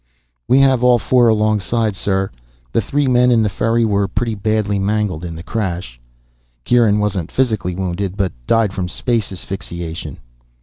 "We have all four alongside, sir. The three men in the ferry were pretty badly mangled in the crash. Kieran wasn't physically wounded, but died from space asphyxiation."